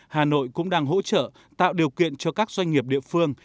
hà nội cũng đang hỗ trợ tạo điều kiện cho các doanh nghiệp địa phương